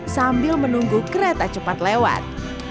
sambil menunggu kereta cepat lewat